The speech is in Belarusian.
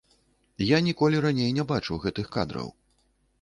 Я ніколі раней не бачыў гэтых кадраў.